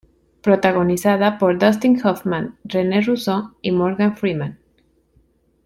Protagonizada por Dustin Hoffman, Rene Russo y Morgan Freeman.